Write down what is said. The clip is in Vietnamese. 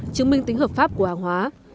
chứng minh tính hợp pháp của hàng hóa